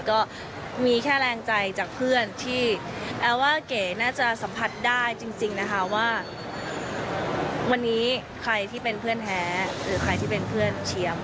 ก็มีแค่แรงใจจากเพื่อนที่แอลว่าเก๋น่าจะสัมผัสได้จริงนะคะว่าวันนี้ใครที่เป็นเพื่อนแท้หรือใครที่เป็นเพื่อนเชียม